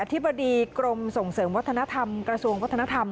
ธิบดีกรมส่งเสริมวัฒนธรรมกระทรวงวัฒนธรรม